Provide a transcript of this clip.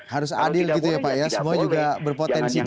harus adil gitu ya pak ya semua juga berpotensi